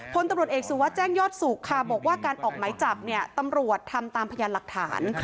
พลตำรวจเอกสุวัสดิแจ้งยอดสุขค่ะบอกว่าการออกหมายจับเนี่ยตำรวจทำตามพยานหลักฐาน